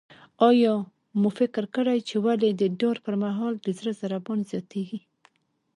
آیا مو فکر کړی چې ولې د ډار پر مهال د زړه ضربان زیاتیږي؟